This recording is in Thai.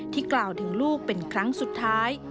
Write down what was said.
กล่าวถึงลูกเป็นครั้งสุดท้าย